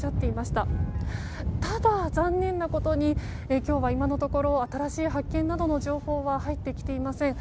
ただ、残念なことに今日は今のところ新しい発見などの情報は入っていません。